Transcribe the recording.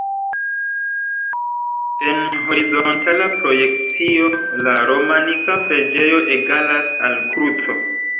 En horizontala projekcio la romanika preĝejo egalas al kruco.